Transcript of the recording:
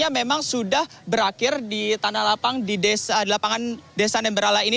memang sudah berakhir di tanah lapang di lapangan desa nemberala ini